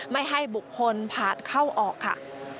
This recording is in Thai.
ไม่ให้บุคคลผ่านเข้าออกค่ะ